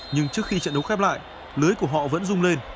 nhưng trước khi trận đấu khép lại lưới của họ vẫn rung lên